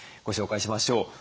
ご紹介しましょう。